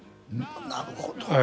なるほど。